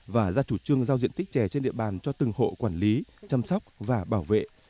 và ra chủ trương giao diện tích chè trên địa bàn cho từng hộ quản lý chăm sóc và bảo vệ